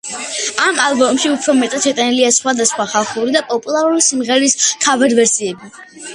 ამ ალბომში უფრო მეტად შეტანილია სხვადასხვა ხალხური და პოპულარული სიმღერის ქავერ-ვერსიები.